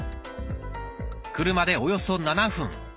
車でおよそ７分。